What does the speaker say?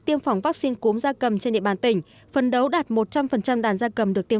tiêm phòng vắc xin cốm gia cầm trên địa bàn tỉnh phấn đấu đạt một trăm linh đàn gia cầm được tiêm